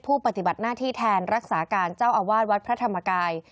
ปฏิบัติหน้าที่แทนรักษาการเจ้าอาวาสวัดพระธรรมกาย